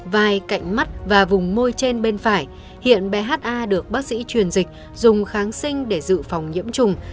vai cạnh mắt và vùng môi trên bên phải hiện bé ha được bác sĩ truyền dịch dùng kháng sinh để giữ phòng nhiễm trùng